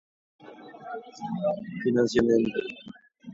Financiamiento